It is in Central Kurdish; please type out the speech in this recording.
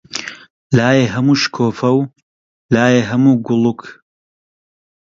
لایێ هەموو شکۆفە و، لایی هەموو گوڵووک